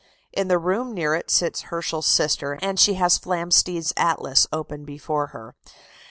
In the room near it sits Herschel's sister, and she has Flamsteed's atlas open before her.